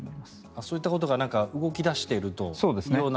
そういったことが動き出しているというような